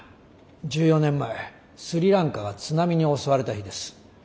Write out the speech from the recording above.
１４年前スリランカが津波に襲われた日です。